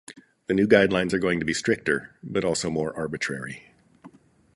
The new guidelines are going to be stricter, but also more arbitrary.